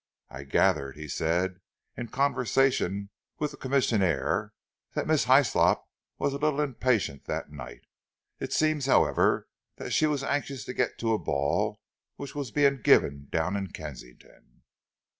"I gathered," he said, "in conversation with the commissionaire, that Miss Hyslop was a little impatient that night. It seems, however, that she was anxious to get to a ball which was being given down in Kensington."